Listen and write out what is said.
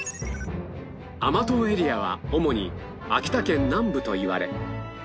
甘党エリアは主に秋田県南部といわれ